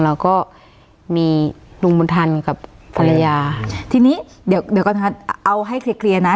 เราก็มีลุงบุญธรรมกับภรรยาทีนี้เดี๋ยวเดี๋ยวก่อนเอาให้เคลียร์เคลียร์นะ